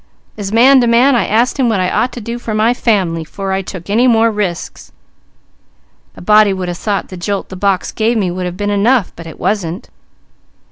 As man to man I asked him what I ought to do for my family 'fore I took any more risks. A body would have thought the jolt the box gave me would have been enough, but it wasn't!